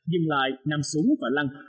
dừng lại nằm xuống và lăng